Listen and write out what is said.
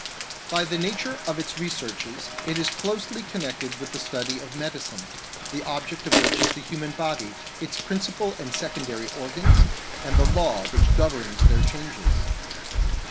By the nature of its researches it is closely con nected with the study of medicine, the object of which is the human body, its principal and secondary organs, and the law which governs their changes.